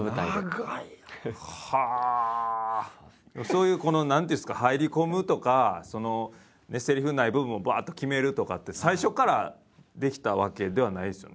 そういうこの何ていうんですか入り込むとかセリフない部分をばっと決めるとかって最初からできたわけではないですよね？